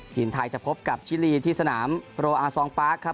ทีมไทยจะพบกับชิลีที่สนามโรอาซองปาร์คครับ